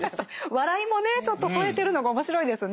笑いもねちょっと添えてるのが面白いですね。